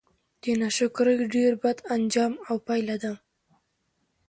د ناشکرۍ ډير بد آنجام او پايله ده